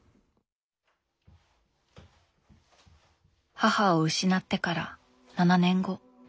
母を失ってから７年後。